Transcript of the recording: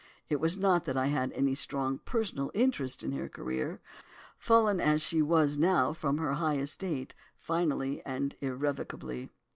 It was not that I had any strong personal interest in her career, fallen as she was now from her high estate finally and irrevocably.